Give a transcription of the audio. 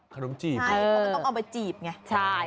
เขาก็ต้องเอาไปจี๊บไง